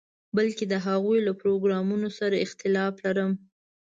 بلکې د هغوی له پروګرامونو سره اختلاف لرم.